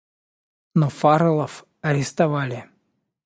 Но Фаррелов арестовали.